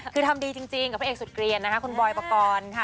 คือทำดีจริงกับพระเอกสุดเกลียนนะคะคุณบอยปกรณ์ค่ะ